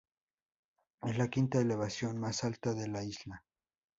Es la quinta elevación más alta de la isla.